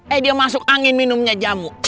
eh dia masuk angin minumnya jamu